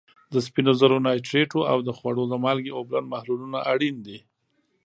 د سپینو زرو نایټریټو او د خوړو د مالګې اوبلن محلولونه اړین دي.